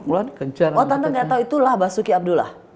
tentang gak tau itulah basuki abdullah